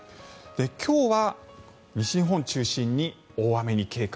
今日は西日本を中心に大雨に警戒。